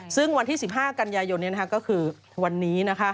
ซึ่งวันที่๑๕กันยายนก็คือวันนี้